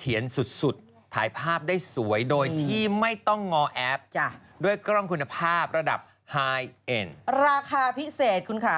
เอาไปฟรีเลยดีกว่า